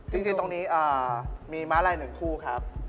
จริงตรงนี้มีม้าลัย๑คู่ครับ